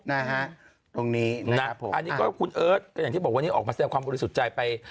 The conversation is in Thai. นะฮะตรงนี้นะครับผมอันนี้ก็คุณเอิร์ทก็อย่างที่บอกวันนี้ออกมาแสดงความบริสุทธิ์ใจไป